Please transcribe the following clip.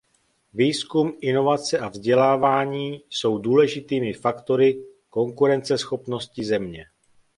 Výzkum, inovace a vzdělávání jsou důležitými faktory konkurenceschopnosti země.